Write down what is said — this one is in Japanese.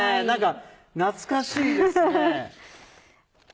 何か懐かしいですね！